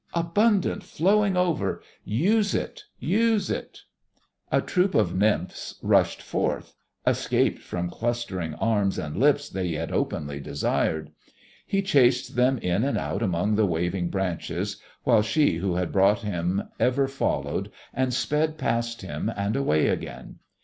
Abundant, flowing over use it, use it!" A troop of nymphs rushed forth, escaped from clustering arms and lips they yet openly desired. He chased them in and out among the waving branches, while she who had brought him ever followed, and sped past him and away again.